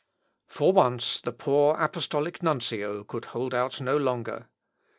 For once the poor apostolical nuncio could hold out no longer.